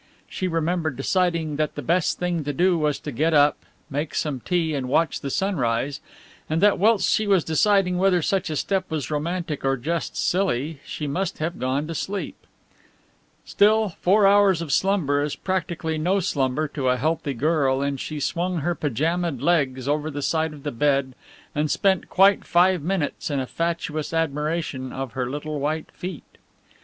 She remembered deciding that the best thing to do was to get up, make some tea and watch the sun rise, and that whilst she was deciding whether such a step was romantic or just silly, she must have gone to sleep. Still, four hours of slumber is practically no slumber to a healthy girl and she swung her pyjama ed legs over the side of the bed and spent quite five minutes in a fatuous admiration of her little white feet.